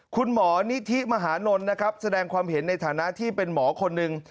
คุณหมอนิธิมหานลนะครับแสดงความเห็นในฐานะที่เป็นหมอคนหนึ่ง